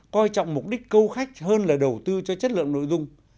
và mục đích câu khách hơn là đầu tư cho chất lượng nội dung